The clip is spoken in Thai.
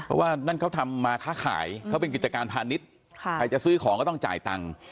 เพราะว่านั่นเขาทำมาค้าขายเขาเป็นกิจการพาณิชย์ใครจะซื้อของก็ต้องจ่ายตังค์